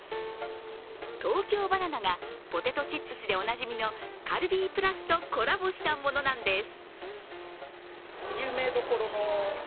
東京ばな奈がポテトチップスでおなじみのカルビープラスとコラボしたものなんです。